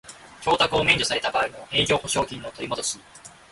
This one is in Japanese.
供託を免除された場合の営業保証金の取りもどし